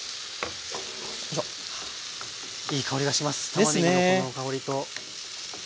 たまねぎのこの香りと。